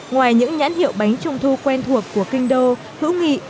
ngoài những nhãn hiệu bánh trung thu quen thuộc của kinh đô hữu nghị